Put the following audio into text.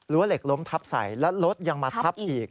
เหล็กล้มทับใส่แล้วรถยังมาทับอีก